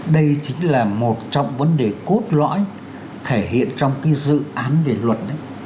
đây chính là một trong vấn đề cốt lõi thể hiện trong dự án về luật